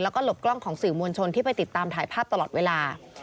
แล้วก็หลบกล้องของสื่อมวลชนที่ไปติดตามถ่ายภาพตลอดเวลา